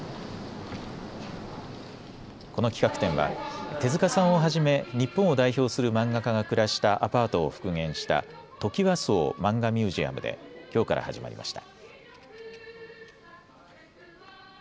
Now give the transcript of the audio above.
この企画展は手塚さんをはじめ日本を代表する漫画家が暮らしたアパートを復元したトキワ荘マンガミュージアムできょうから始まりました。